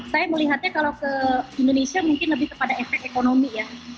saya melihatnya kalau ke indonesia mungkin lebih kepada efek ekonomi ya